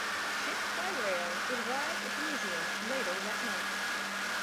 Shipped by rail, it arrived at the museum later that month.